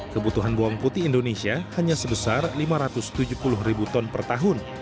kebutuhan bawang putih indonesia hanya sebesar lima ratus tujuh puluh ribu ton per tahun